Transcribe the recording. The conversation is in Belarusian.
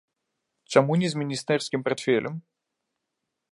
Чаму не з міністэрскім партфелем?